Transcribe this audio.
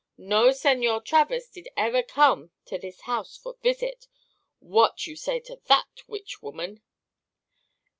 No Señor Travers did ever come to this house for visit. What you say to that, Witch Woman?"